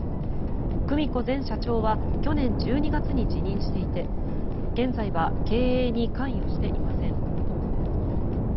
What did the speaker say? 久美子前社長は去年１２月に辞任していて現在は経営に関与していません。